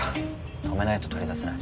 止めないと取り出せない。